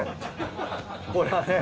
これはね。